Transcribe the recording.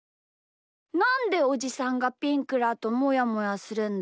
なんでおじさんがピンクだともやもやするんだ？